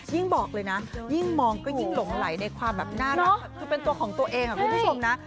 ยิ่งบอกเลยนะยิ่งมองก็ยิ่งหลงไหลในความแบบน่ารักคือเป็นตัวของตัวเองคุณผู้ชมนะ